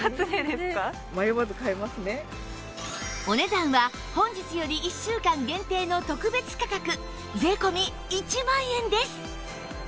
お値段は本日より１週間限定の特別価格税込１万円です